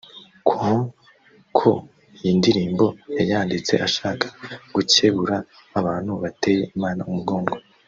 com ko iyi ndirimbo yayanditse ashaka gukebura abantu bateye Imana umugongo